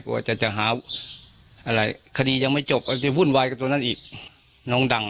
จะจะหาอะไรคดียังไม่จบอาจจะวุ่นวายกับตัวนั้นอีกน้องดัง